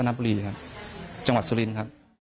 สนับบุรีครับจังหวัดสลินครับ